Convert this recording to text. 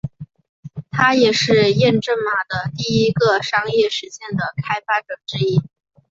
他也是验证码的第一个商业实现的开发者之一。